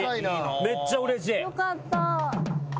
めっちゃうれしい。